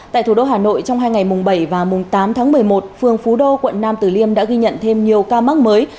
tại thủ đô hà nội trong hai ngày mùng bảy và mùng tám tháng một mươi một phường phú đô quận nam tử liêm đã ghi nhận thêm nhiều ca mắc mới